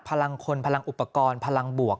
พลังคนพลังอุปกรณ์พลังบวก